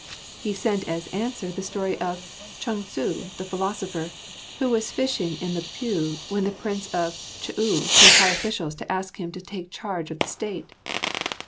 He sent as answer the story of Chung Tzu the philosopher, who was fishing in the Piu when the Prince of Ch'u sent high officials to ask him to take charge of the State.